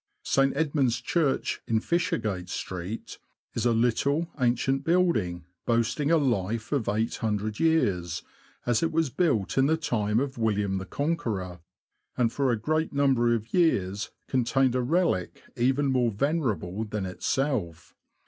St. Edmund's Church, in Fishergate Street, is a little, ancient building, boasting a life of 800 years, as it was built in the time of William the Conqueror, and for a great number of years contained a relic even more venerable than itself.